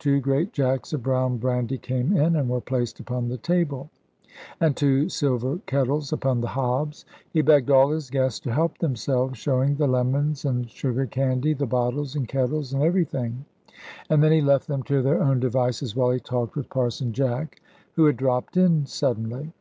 Two great jacks of brown brandy came in, and were placed upon the table, and two silver kettles upon the hobs. He begged all his guests to help themselves, showing the lemons and sugar caddy, the bottles, and kettles, and everything: and then he left them to their own devices, while he talked with Parson Jack, who had dropped in suddenly.